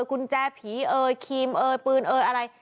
กุญแจผีเอ่ยครีมเอยปืนเอ่ยอะไร